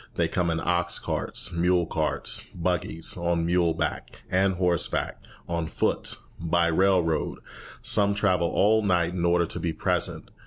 They come in ox carts, mule carts, buggies, on muleback and horseback, on foot, by railroad. Some travel all night in order to be present.